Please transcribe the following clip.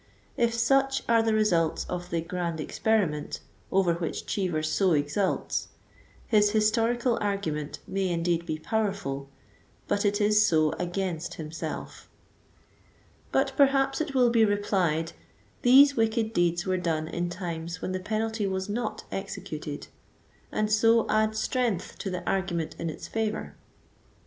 If such are the results of the "grand experiment" over which Cheever so exults, his "historical argument" may indeed be " powerful," but it is so against himself. But perhaps it will be replied, these wicked deeds were done in times when the penalty was not executed, and so add strength to the argument in its favor.